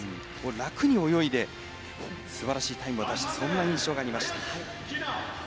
楽に泳いですばらしいタイムを出すそんな印象がありました。